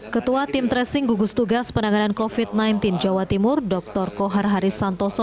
ketua tim tracing gugus tugas penanganan covid sembilan belas jawa timur dr kohar haris santoso